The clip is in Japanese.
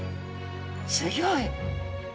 すギョい。